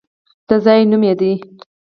د ځای نوم دی!